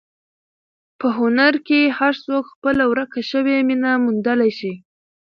په هنر کې هر څوک خپله ورکه شوې مینه موندلی شي.